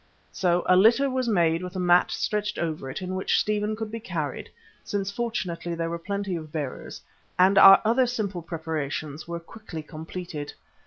So a litter was made with a mat stretched over it in which Stephen could be carried, since fortunately there were plenty of bearers, and our other simple preparations were quickly completed.